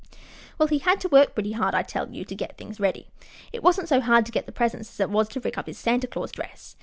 Well, he had to work pretty hard, I tell you, to get things ready. It wasn't so hard to get the presents as it was to rig up his Santa Claus dress.